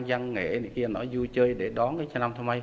dân nghệ này kia nó vui chơi để đón trần năm thơ mây